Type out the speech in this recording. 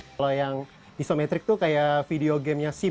kalau yang isometrik tuh kayak video gamenya sim